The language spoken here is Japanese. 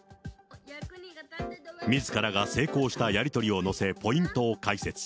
みずからが成功したやり取りを載せ、ポイントを解説。